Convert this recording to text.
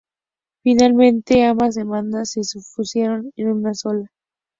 Finalmente, ambas demandas se fusionaron en una sola.